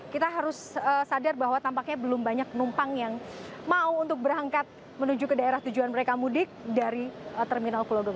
kita harus sadar bahwa tampaknya belum banyak penumpang yang mau untuk berangkat menuju ke daerah tujuan mereka mudik dari terminal pulau gebang